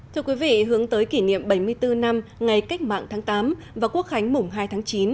thưa quý vị hướng tới kỷ niệm bảy mươi bốn năm ngày cách mạng tháng tám và quốc khánh mùng hai tháng chín